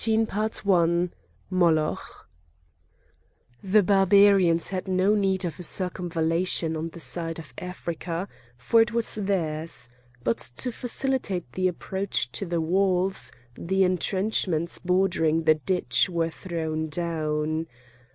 CHAPTER XIII MOLOCH The Barbarians had no need of a circumvallation on the side of Africa, for it was theirs. But to facilitate the approach to the walls, the entrenchments bordering the ditch were thrown down.